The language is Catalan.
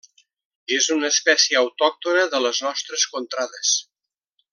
És una espècie autòctona de les nostres contrades.